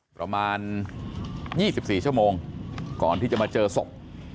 ประมาณ๒๔ชั่วโมงก่อนที่จะมาเจอศพ